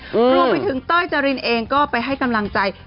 รวมไปถึงเต้ยจรินเองก็ไปให้กำลังใจ